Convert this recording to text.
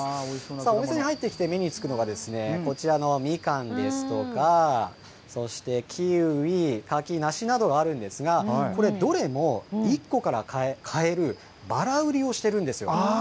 さあ、お店に入ってきて目につくのが、こちらのミカンですとか、そしてキウイ、柿、梨などがあるんですが、これ、どれも１個から買える、ばら売りをしてるんですよ。